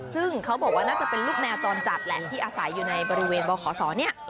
ซึ่งเขาบอกว่าน่าจะเป็นลูกแมวจรจัดแหละที่อาศัยอยู่ในบริเวณบขศเนี่ย